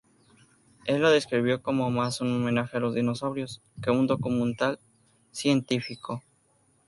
Él lo describió como "más un homenaje a los dinosaurios que un documental científico".